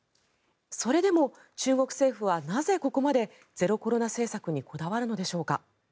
それでも中国政府はなぜ、ここまでゼロコロナ政策にこだわるのでしょうか。